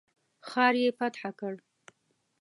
ښار یې فتح کړ.